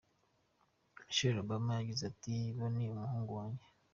Michelle Obama yagize ati :« Bo ni umuhungu wanjye.